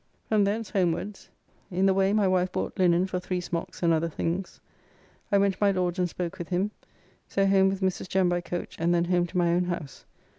From thence homewards; in the way my wife bought linen for three smocks and other things. I went to my Lord's and spoke with him. So home with Mrs. Jem by coach and then home to my own house.